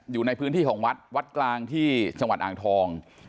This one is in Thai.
อยู่ในพื้นที่ของวัดวัดกลางที่จังหวัดอ่างทอง